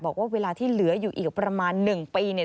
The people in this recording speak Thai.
บอกว่าเวลาที่เหลืออยู่กับประมาณ๑ปี